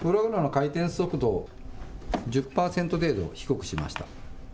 回転速度を１０％程度低くしました。